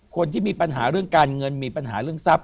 คนที่มีปัญหาเรื่องการเงินมีปัญหาเรื่องทรัพย